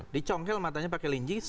dicongkel matanya pakai linjis